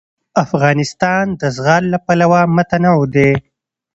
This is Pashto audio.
افغانستان د زغال له پلوه متنوع دی.